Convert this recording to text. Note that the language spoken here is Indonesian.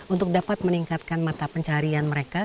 untuk dapat meningkatkan mata pencaharian mereka